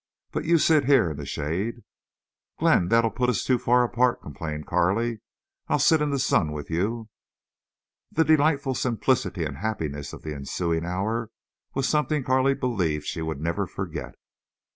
But you sit here in the shade." "Glenn, that'll put us too far apart," complained Carley. "I'll sit in the sun with you." The delightful simplicity and happiness of the ensuing hour was something Carley believed she would never forget.